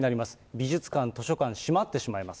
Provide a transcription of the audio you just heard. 美術館、図書館、閉まってしまいます。